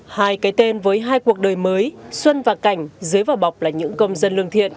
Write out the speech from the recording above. hai cái tên với hai cuộc đời mới xuân và cảnh dưới vào bọc là những công dân lương thiện